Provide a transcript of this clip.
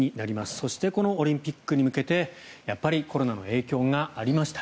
そしてこのオリンピックに向けてやっぱりコロナの影響がありました。